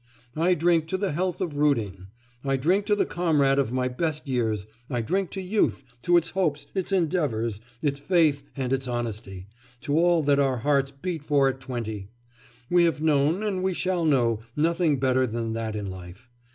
I drink to the health of Rudin! I drink to the comrade of my best years, I drink to youth, to its hopes, its endeavours, its faith, and its honesty, to all that our hearts beat for at twenty; we have known, and shall know, nothing better than that in life....